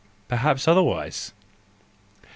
Perhaps otherwise ?